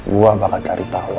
gue bakal cari tau